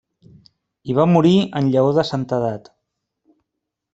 Hi va morir en llaor de santedat.